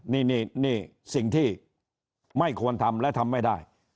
นี่สิ่งที่ไม่ควรทำและทำไม่ได้